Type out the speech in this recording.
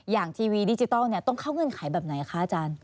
ทีวีดิจิทัลต้องเข้าเงื่อนไขแบบไหนคะอาจารย์